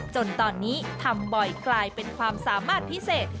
จนตอนนี้ทำบ่อยกลายเป็นความสามารถพิเศษ